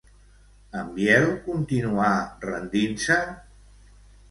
En Biel continuà rendint-se?